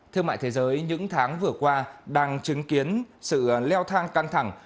thương mại thế giới những tháng vừa qua đang chứng kiến sự leo thang căng thẳng